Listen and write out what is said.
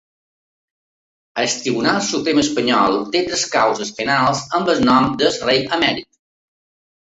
El Tribunal Suprem espanyol té tres causes penals amb el nom del rei emèrit.